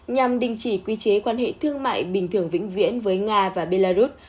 nhằm đình chỉ quy chế quan hệ thương mại bình thường vĩnh viễn với nga và belarus